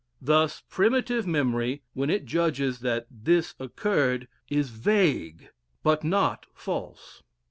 Thus primitive memory, when it judges that "this occurred," is vague, but not false.